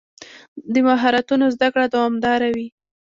د مهارتونو زده کړه دوامداره وي.